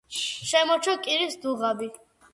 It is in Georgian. შემორჩა კირის დუღაბი.